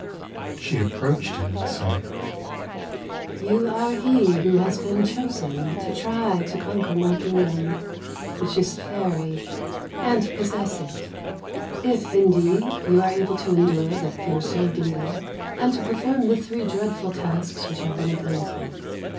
She approached him and said: "You are he who has been chosen to try to conquer my kingdom, which is faery, and to possess it: if, indeed, you are able to endure the fierce ordeal and to perform the three dreadful tasks which have been appointed.